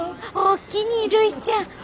おおきにるいちゃん。